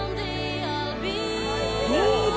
どうだ？